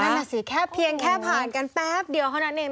นั่นน่ะสิแค่เพียงแค่ผ่านกันแป๊บเดียวเท่านั้นเอง